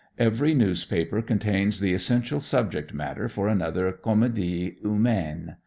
Every newspaper contains the essential subject matter for another Comedie Humaine.